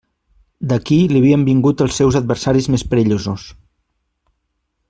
D'aquí li havien vingut els seus adversaris més perillosos.